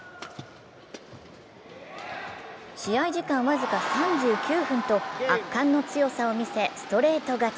試合時間僅か３９分と圧巻の強さを見せストレート勝ち。